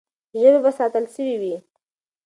ژبه به ساتل سوې وي.